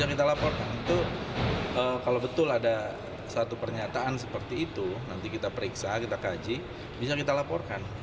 yang kita laporkan itu kalau betul ada satu pernyataan seperti itu nanti kita periksa kita kaji bisa kita laporkan